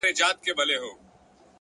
مثبت فکر د وېرې وزن کموي,